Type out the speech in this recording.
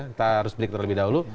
kita harus beritahu lebih dahulu